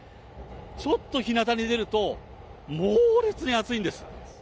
ちょっと日向に出ると、猛烈に暑いんです。